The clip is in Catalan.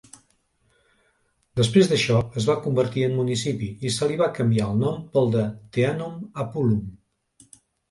Després d'això, es va convertir en municipi i se li va canviar el nom pel de Teanum Apulum.